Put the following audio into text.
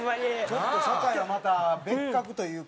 ちょっと酒井はまた別格というか。